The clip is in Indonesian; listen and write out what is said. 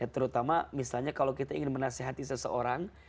terutama misalnya kalau kita ingin menasehati seseorang